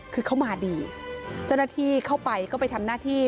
คือเขามาดีเจ้าหน้าที่เข้าไปก็ไปทำหน้าที่